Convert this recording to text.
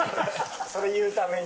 それ言うために。